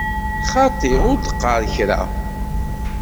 Xaṭi, ur d-qqar kra!